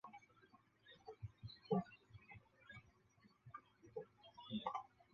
属名是以化石发现地的埃布拉赫市为名。